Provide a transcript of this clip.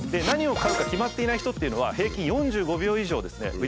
何を買うか決まっていない人っていうのは平均４５秒以上ですね